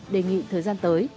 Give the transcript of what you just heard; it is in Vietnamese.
đề nghị thời gian tới